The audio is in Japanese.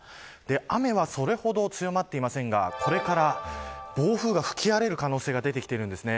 雨はそれほど強まっていませんがこれから暴風が吹き荒れる可能性が出てきているんです。